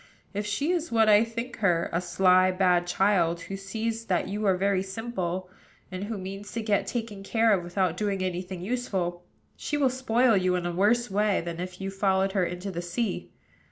If she is what I think her, a sly, bad child, who sees that you are very simple, and who means to get taken care of without doing any thing useful, she will spoil you in a worse way than if you followed her into the sea.